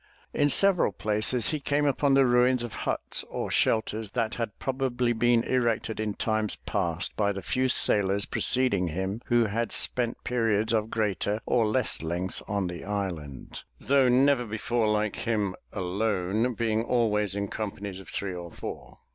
In several places he came upon the ruins of huts or shelters that had probably been erected in times past by the few sailors preceding him who had spent periods of greater or less length on the island, though never before like him alone, being always in companies of three or four.